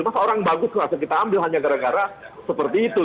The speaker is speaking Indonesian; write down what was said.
masa orang bagus nggak bisa kita ambil hanya gara gara seperti itu